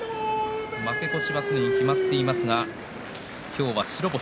負け越しはすでに決まっていますが今日は白星。